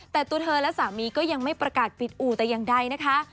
แต่ตัวเธอและสามีก็ยังไม่ประกาศปิดอู่แต่อย่างใดนะคะ